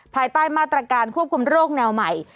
ภายใต้มาตรการควบคุมโรคแนวใหม่